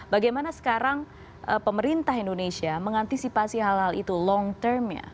bagaimana sekarang pemerintah indonesia mengantisipasi hal hal itu long term ya